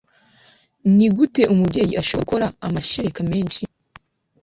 ni gute umubyeyi ashobora gukora amashereka menshi